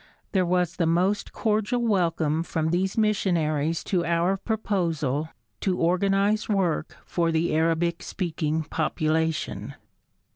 There was the most cordial welcome from these missionaries to our proposal to organize work for the Arabic speaking population.